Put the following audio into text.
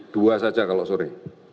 dua saja kalau sorry